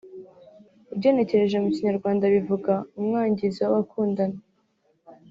ugenekereje mu kinyarwanda bivuga ‘Umwangizi w’abakundana’